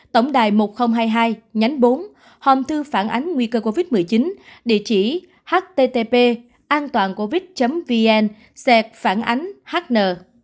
tổng đài một nghìn hai mươi hai nhánh bốn hòm thư phản ánh nguy cơ covid một mươi chín địa chỉ http antoancovid vn sẹt phản ánh hn